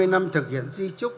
năm mươi năm thực hiện di trúc